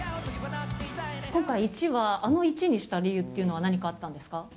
今回、壱はあの壱にした理由というのは、何かあったんですか。